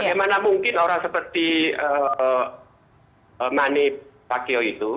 bagaimana mungkin orang seperti manny pacquiao itu